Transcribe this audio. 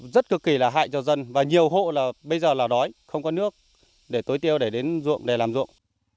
rất cực kỳ là hại cho dân và nhiều hộ bây giờ là đói không có nước để tối tiêu để đến dụng để làm dụng